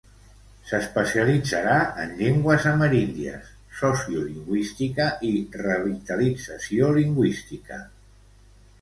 S'especialitzarà en llengües ameríndies, sociolingüística i revitalització lingüística.